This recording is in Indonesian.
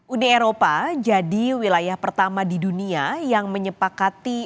uni eropa jadi wilayah pertama di dunia yang menyepakati